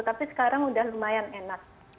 tapi sekarang udah lumayan enak